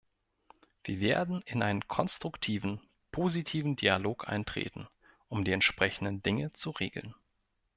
Wir werden in einen konstruktiven, positiven Dialog eintreten, um die entsprechenden Dinge zu regeln.